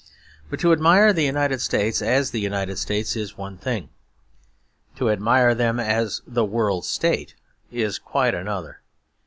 But to admire the United States as the United States is one thing. To admire them as the World State is quite another.